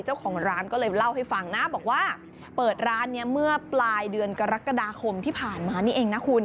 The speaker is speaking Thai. เจ้าของร้านก็เลยเล่าให้ฟังนะบอกว่าเปิดร้านนี้เมื่อปลายเดือนกรกฎาคมที่ผ่านมานี่เองนะคุณ